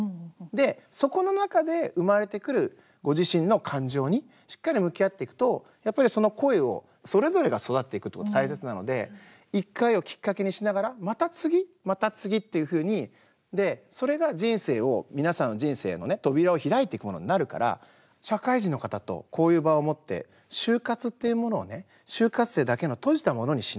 で、そこの中で生まれてくるご自身の感情にしっかり向き合っていくとやっぱりその声を、それぞれが育っていくということが大切なので１回をきっかけにしながらまた次、また次っていうふうにそれが人生を、皆さんの人生の扉を開いていくものになるから社会人の方とこういう場を持って就活っていうものを就活生だけの閉じたものにしない。